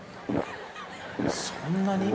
・そんなに？